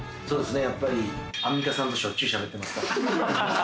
やっぱり、アンミカさんとしょっちゅう喋ってますから。